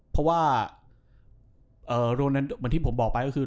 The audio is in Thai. เพราะว่าเหมือนที่ผมบอกไปก็คือ